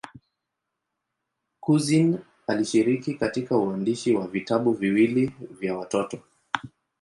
Couzyn alishiriki katika uandishi wa vitabu viwili vya watoto.